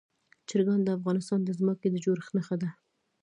چرګان د افغانستان د ځمکې د جوړښت نښه ده.